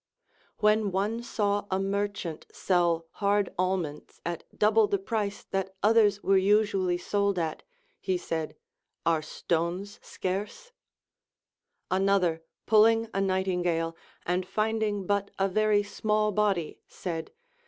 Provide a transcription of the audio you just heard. When one saw a merchant sell hard almonds at double the price that others Λvere usually sold at, he said, Are stones scarce ] Another pulling a nightingale, and finding but a very small body, said.